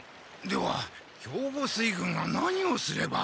では兵庫水軍は何をすれば？